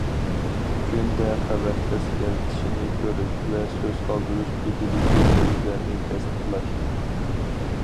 كۈندە خەۋەر ئەسكەرتىشىنى كۆرۈش ۋە سۆز قالدۇرۇش بېتىدىكى سۆزلەرنى تەستىقلاش.